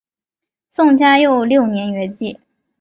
宋嘉佑六年圆寂。